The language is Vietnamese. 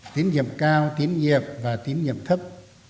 tín nhiệm cao tín nhiệm và tín nhiệm thấp